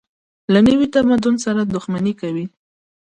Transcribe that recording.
له نوي تمدن سره دښمني کوي.